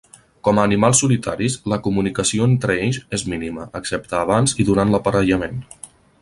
Com a animals solitaris, la comunicació entre ells és mínima, excepte abans i durant l'aparellament.